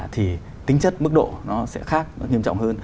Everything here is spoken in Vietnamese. thì tính chất mức độ nó sẽ khác nó nghiêm trọng hơn